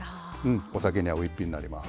お酒に合う一品になります。